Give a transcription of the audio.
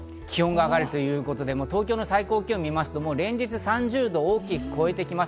一方、梅雨明けすると気温が上がるということで、東京の最高気温を見ると、連日３０度を大きく超えてきます。